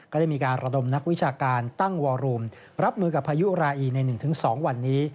ได้มีการระดมนักวิชาการตั้งวอรูมรับมือกับพายุราอีใน๑๒วันนี้